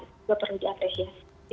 itu perlu diapresiasi